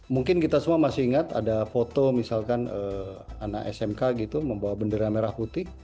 mungkin kita semua masih ingat ada foto misalkan anak smk gitu membawa bendera merah putih